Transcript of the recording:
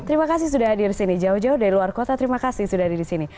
terima kasih sudah hadir di sini jauh jauh dari luar kota terima kasih sudah hadir di sini